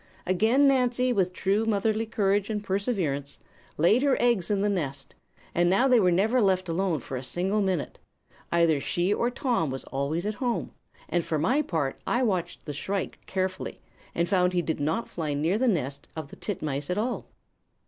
"Again Nancy, with true motherly courage and perseverance, laid her eggs in the nest; and now they were never left alone for a single minute. Either she or Tom was always at home, and for my part I watched the shrike carefully and found he did not fly near the nest of the titmice at all.